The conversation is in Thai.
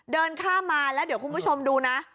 เดินข้ามมาแล้วเดี๋ยวคุณผู้ชมดูนะ